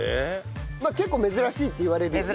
結構珍しいっていわれるよね。